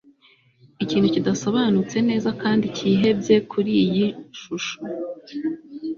Ikintu kidasobanutse neza kandi cyihebye kuriyi shusho